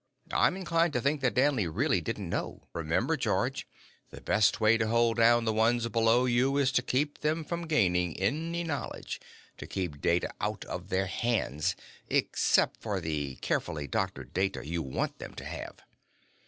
"I'm inclined to think that Danley really didn't know. Remember, George, the best way to hold down the ones below you is to keep them from gaining any knowledge, to keep data out of their hands except for the carefully doctored data you want them to have."